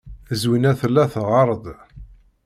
Zwina tella teɣɣar-d.